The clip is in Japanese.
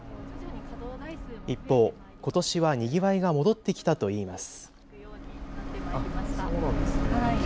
一方、ことしはにぎわいが戻ってきたといいます。